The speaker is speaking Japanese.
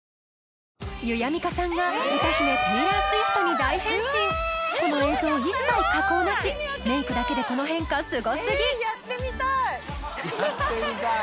ＹＵＹＡＭＩＫＡさんが歌姫テイラー・スウィフトに大変身この映像一切加工なしメイクだけでこの変化すごすぎやってみたい？